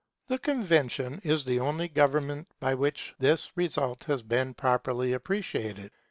The Convention is the only government by which this result has been properly appreciated.